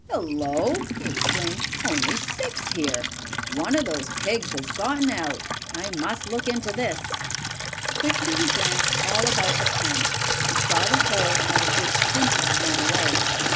"Hello!" he exclaimed. "Only six here! One of those pigs has gotten out. I must look into this!" Quickly he glanced all about the pen. He saw the hole out of which Squinty had run away.